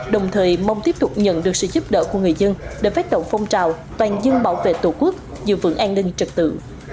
đồng thời mong tiếp tục nhận được sự giúp đỡ của người dân để phát động phong trào toàn dân bảo vệ tổ quốc giữ vững an ninh trật tự